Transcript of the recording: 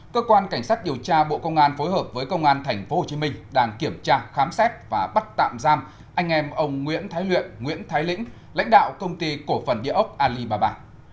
cơ quan cảnh sát điều tra bộ công an phối hợp với công an tp hcm đang kiểm tra khám xét và bắt tạm giam anh em ông nguyễn thái luyện nguyễn thái lĩnh lãnh đạo công ty cổ phần địa ốc alibaba